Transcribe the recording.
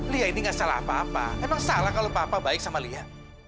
lia ini gak salah apa apa emang salah kalau papa baik sama lia